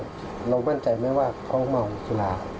เรามั่นใจไหมว่าเขาเมาสุรา